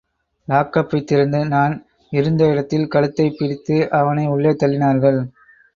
லாக்கப்பை திறந்து நான் இருந்த இடத்தில் கழுத்தைப் பிடித்து அவனை உள்ளே தள்ளினார்கள்.